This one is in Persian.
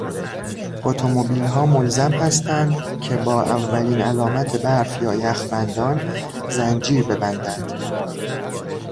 اتومبیلها ملزم هستند که با اولین علامت برف یا یخبندان زنجیر ببندند.